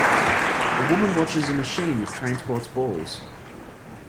A woman watches a machine that transports balls.